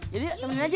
jadi yuk temenin aja